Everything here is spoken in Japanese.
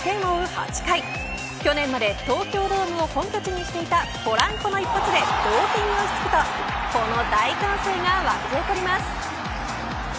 ８回去年まで東京ドームを本拠地にしていたポランコの一発で同点に追い付くとこの大歓声が沸き起こります。